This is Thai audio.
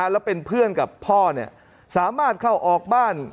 แล้วเป็นเพื่อนกับพ่อสามารถเข้าออกบ้าน